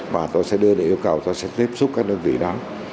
và tôi sẽ đưa để yêu cầu tôi sẽ tiếp xúc các đơn vị đó